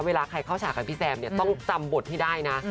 เวลาใครเข้าฉากกับพี่แซมเนี่ยต้องจำบทให้ได้นะ